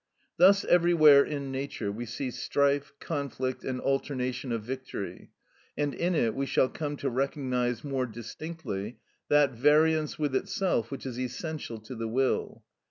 Thus everywhere in nature we see strife, conflict, and alternation of victory, and in it we shall come to recognise more distinctly that variance with itself which is essential to the will.